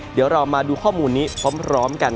เดี๋ยวเรามาดูข้อมูลนี้พร้อมกัน